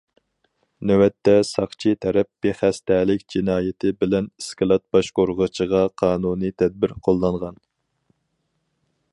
نۆۋەتتە، ساقچى تەرەپ بىخەستەلىك جىنايىتى بىلەن ئىسكىلات باشقۇرغۇچىغا قانۇنىي تەدبىر قوللانغان.